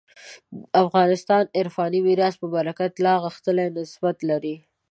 افغانستان عرفاني میراث په برکت لا غښتلی نسبت لري.